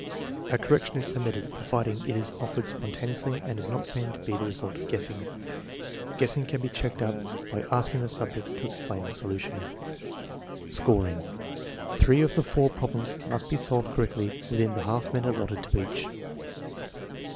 A correction is permitted, provided it is offered spon taneously and does not seem to be the result of guessing. Guessing can be checked up by asking the subject to ex plain the solution. Scoring. Three of the four problems must be solved cor rectly within the half minute allotted to each.